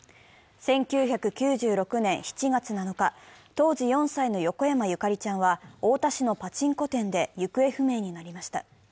１９９６年７月７日、当時４歳の横山ゆかりちゃんは太田市のパチンコ店で行方不明になりました。